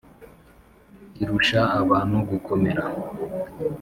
Kirusha Abantu Gukomera